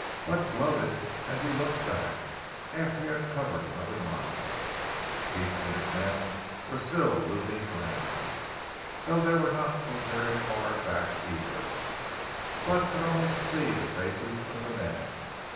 Bud gloated as he looked back after he had covered another mile. Keats and his men were still losing ground, though they were not so very far back, either—Bud could almost see the faces of the men.